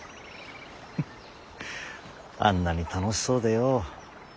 フッあんなに楽しそうでよ。